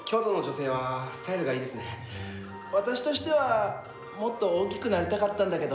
私としてはもっと大きくなりたかったんだけど。